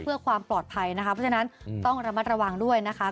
เพื่อความปลอดภัยนะคะเพราะฉะนั้นต้องระมัดระวังด้วยนะคะ